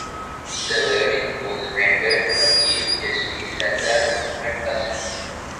The verdict was rendered by Chief Justice Sardar Muhammad Aslam.